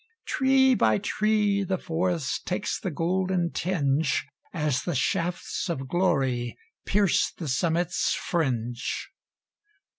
Tree by tree the forest Takes the golden tinge, As the shafts of glory Pierce the summit's fringe.